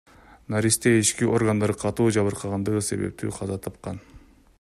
Наристе ички органдары катуу жабыркагандыгы себептүү каза тапкан.